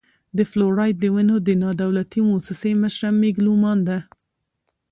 د فلوريډا د ونو د نادولتي مؤسسې مشره مېګ لومان ده.